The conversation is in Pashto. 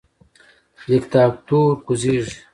دیکتاتور کوزیږي